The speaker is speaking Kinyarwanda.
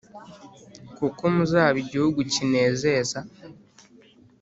kuko muzaba igihugu kinezeza.